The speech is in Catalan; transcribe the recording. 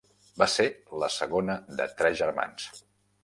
Va ser la segona de tres germans.